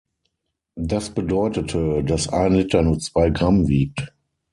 Das bedeutete, dass ein Liter nur zwei Gramm wiegt.